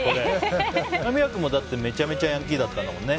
間宮君もめちゃめちゃヤンキーだったんだもんね。